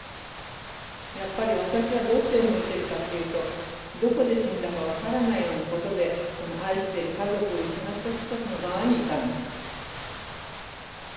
やっぱり私はどっちを向いてるかっていうとどこで死んだか分からないようなことでその愛している家族を失った人たちの側にいたんです。